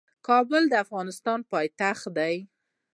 کابل د افغانستان پايتخت دي.